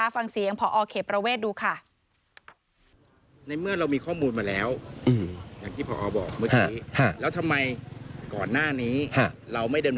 เพิ่มรอกบในเมื่อเรามีข้อมูลมาแล้ว